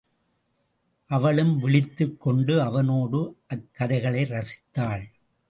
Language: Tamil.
அவளும் விழித்துக் கொண்டு அவனோடு அக்கதைகளை ரசித்தாள்.